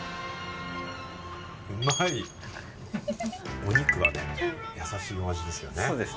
お肉はやさしいお味ですよね。